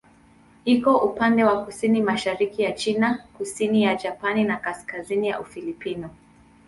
Iko upande wa kusini-mashariki ya China, kusini ya Japani na kaskazini ya Ufilipino.